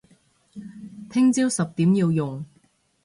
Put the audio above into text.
聽朝十點要用